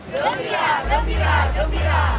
gembira gembira gembira